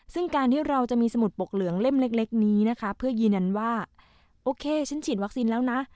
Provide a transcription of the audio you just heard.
ซึ่งการที่เราจะมีสมุดปกเหลืองเล่มเล็กนี้นะคะเพื่อยืนยันว่าโอเคฉันฉีดวัคซีนแล้วนะ